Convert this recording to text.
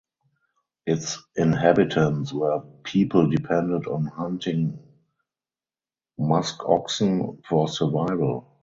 Its inhabitants were people dependent on hunting muskoxen for survival.